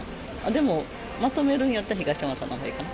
でも、まとめるんやったら東山さんのほうがええかな。